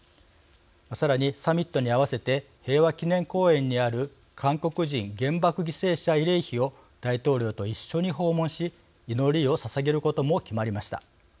さらにサミットに合わせて平和記念公園にある韓国人原爆犠牲者慰霊碑を大統領と一緒に訪問し祈りをささげることも決まりました。